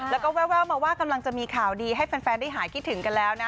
แล้วก็แววมาว่ากำลังจะมีข่าวดีให้แฟนได้หายคิดถึงกันแล้วนะ